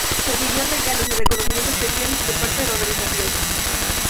Recibió regalos y reconocimientos especiales por parte de la organización.